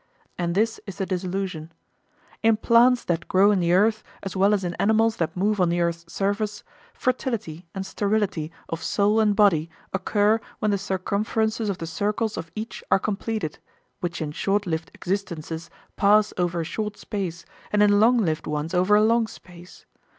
And this is the dissolution:—In plants that grow in the earth, as well as in animals that move on the earth's surface, fertility and sterility of soul and body occur when the circumferences of the circles of each are completed, which in short lived existences pass over a short space, and in long lived ones over a long space.